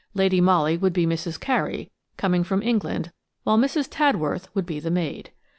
Lady Molly would be "Mrs. Carey," coming from England, whilst Mrs. Tadworth would be the maid.